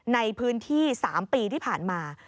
ในพื้นที่๓ปีที่ผ่านมา